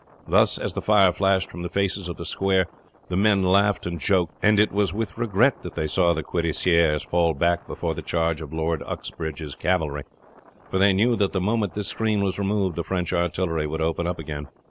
Thus as the fire flashed from the faces of the square the men laughed and joked, and it was with regret that they saw the cuirassiers fall back before the charge of Lord Uxbridge's cavalry, for they knew that the moment this screen was removed the French artillery would open again.